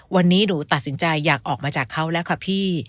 วันนี้หนูตัดสินใจอยากออกมาจากเขาแล้วค่ะพี่